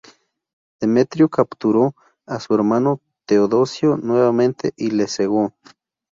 Demetrio capturó a su hermano Teodosio nuevamente y le cegó.